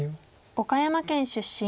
岡山県出身。